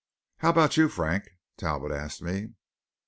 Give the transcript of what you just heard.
"How about you, Frank?" Talbot asked me.